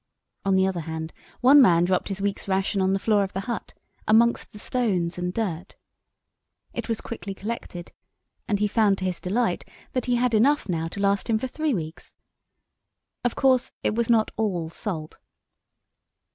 On the other hand, one man dropped his week's ration on the floor of the hut, amongst the stones and dirt. It was quickly collected, and he found to his delight that he had enough now to last him for three weeks. Of course it was not all salt.